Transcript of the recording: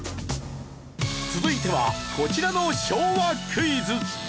続いてはこちらの昭和クイズ。